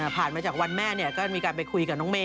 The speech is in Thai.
ผ่านมาจากวันแม่ก็มีการไปคุยกับน้องเมย